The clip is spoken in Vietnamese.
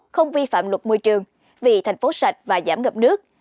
không vi phạm luật môi trường vì thành phố sạch và giảm ngập nước